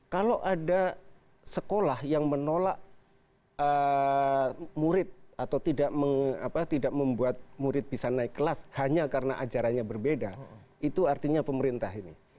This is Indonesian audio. kalau ada sekolah yang menolak murid atau tidak membuat murid bisa naik kelas hanya karena ajarannya berbeda itu artinya pemerintah ini